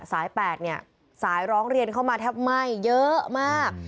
สาย๘เนี่ยสายร้องเรียนเข้ามาแทบไหม้เยอะมาก